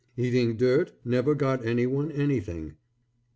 Eating dirt never got anyone anything.